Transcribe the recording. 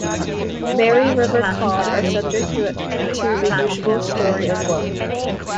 Mary River Cod are subject to the usual story of woe.